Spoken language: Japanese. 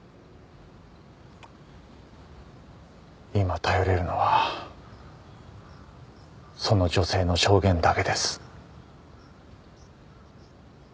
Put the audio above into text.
今頼れるのはその女性の証言だけです。